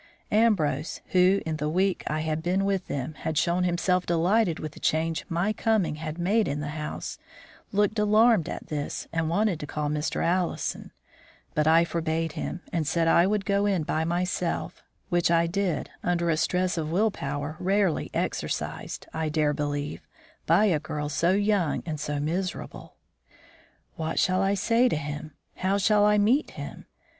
Ambrose, who, in the week I had been with them, had shown himself delighted with the change my coming had made in the house, looked alarmed at this and wanted to call Mr. Allison; but I forbade him, and said I would go in by myself, which I did under a stress of will power rarely exercised, I dare believe, by a girl so young and so miserable. "What shall I say to him? how shall I meet him?